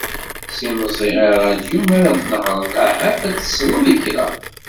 Semẓi i radyu mi ara tnehreḍ, ahat ad tesleḍ i kra.